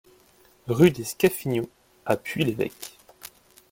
Rue des Scafignous à Puy-l'Évêque